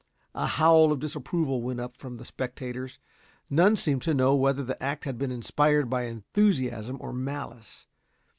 A howl of disapproval went up from the spectators. None seemed to know whether the act had been inspired by enthusiasm or malice.